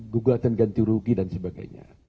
gugatan ganti rugi dan sebagainya